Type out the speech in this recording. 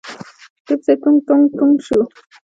دې پسې ټونګ ټونګ ټونګ شو.